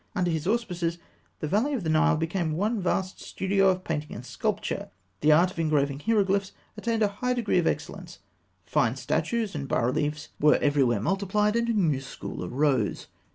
Under his auspices, the valley of the Nile became one vast studio of painting and sculpture. The art of engraving hieroglyphs attained a high degree of excellence, fine statues and bas reliefs were everywhere multiplied, and a new school arose.